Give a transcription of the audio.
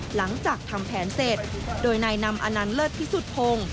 หลังจากทำแผนเสร็จโดยนายนำอันนั้นเลิศที่สุดพง